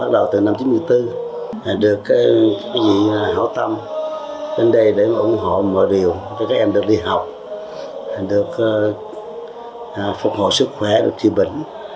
được phục hồi sức khỏe được chữa bệnh